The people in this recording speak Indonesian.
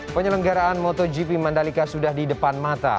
penyelenggaraan motogp mandalika sudah di depan mata